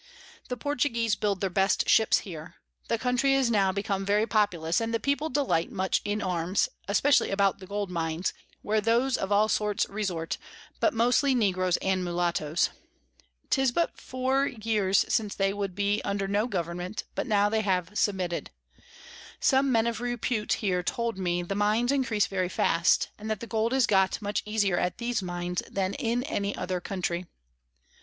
The Portuguese build their best Ships here: The Country is now become very populous, and the People delight much in Arms, especially about the Gold Mines, where those of all sorts resort, but mostly Negroes and Molattoes. 'Tis [Sidenote: Account of Brazile.] but four years since they would be under no Government, but now they have submitted: some Men of Repute here told me the Mines increase very fast, and that Gold is got much easier at these Mines than in any other Country.